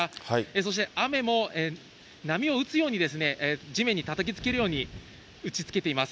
そして雨も波を打つように地面にたたきつけるように打ちつけています。